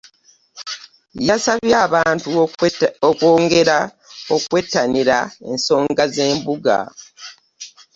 Yasabye abantu okwongera okwettanira ensoga z'embuga.